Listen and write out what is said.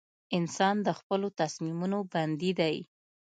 • انسان د خپلو تصمیمونو بندي دی.